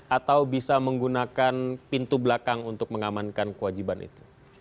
atau bisa menggunakan pintu belakang untuk mengamankan kewajiban itu